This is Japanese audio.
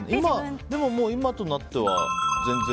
でも今となっては全然？